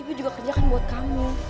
aku juga kerjakan buat kamu